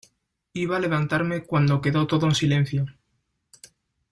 iba a levantarme cuando quedó todo en silencio.